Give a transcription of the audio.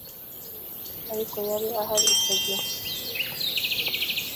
Ariko yari ahari icyo gihe